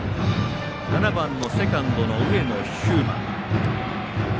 ７番のセカンドの上野飛馬。